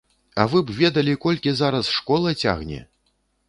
А вы б ведалі, колькі зараз школа цягне!